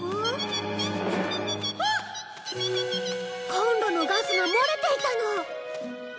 コンロのガスがもれていたの！